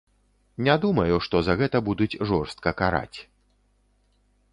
Не думаю, што за гэта будуць жорстка караць.